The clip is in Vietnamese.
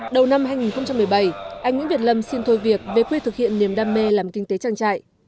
đầu năm hai nghìn một mươi bảy anh nguyễn việt lâm xin thôi việc về quê thực hiện niềm đam mê làm kinh tế trang trại